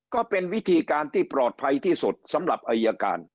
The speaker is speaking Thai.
ก็เป็นวิธีการที่ปลอดภัยที่สุดสำหรับอายการ